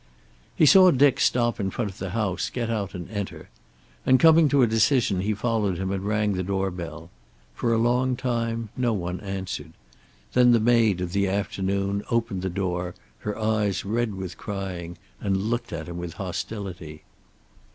He saw Dick stop in front of the house, get out and enter. And coming to a decision, he followed him and rang the doorbell. For a long time no one answered. Then the maid of the afternoon opened the door, her eyes red with crying, and looked at him with hostility.